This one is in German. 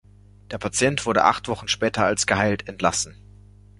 Der Patient wurde acht Wochen später als geheilt entlassen.